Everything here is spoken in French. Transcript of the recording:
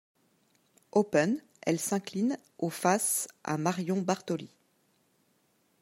Open, elle s'incline au face à Marion Bartoli.